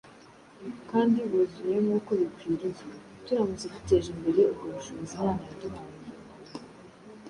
kandi buzuye nk’uko bikwiriye turamutse duteje imbere ubwo bushobozi Imana yaduhaye.